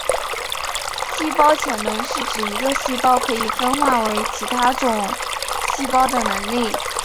细胞潜能是指一个细胞可以分化为其他种细胞的能力。